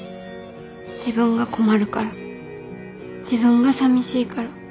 自分が困るから自分がさみしいから。